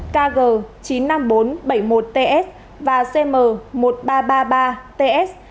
kg chín mươi năm nghìn bốn trăm bảy mươi một ts và cm một nghìn ba trăm ba mươi ba ts